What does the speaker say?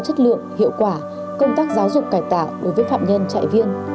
chất lượng hiệu quả công tác giáo dục cải tạo đối với phạm nhân trại viên